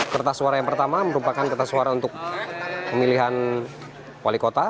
kertas suara yang pertama merupakan kertas suara untuk pemilihan wali kota